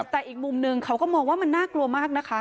แต่อีกมุมนึงเขาก็มองว่ามันน่ากลัวมากนะคะ